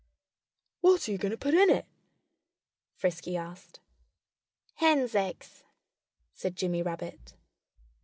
"What are you going to put in it?" Frisky asked. "Hens' eggs!" said Jimmy Rabbit.